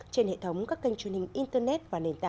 trên hệ thống các kênh truyền hình internet